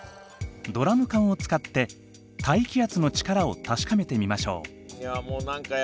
ドラム缶を使って大気圧の力を確かめてみましょう。